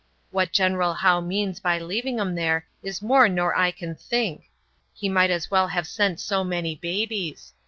What General Howe means by leaving 'em there is more nor I can think; he might as well have sent so many babies.